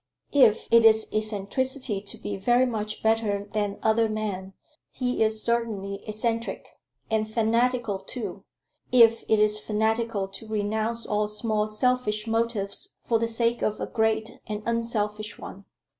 "If it is eccentricity to be very much better than other men, he is certainly eccentric; and fanatical too, if it is fanatical to renounce all small selfish motives for the sake of a great and unselfish one.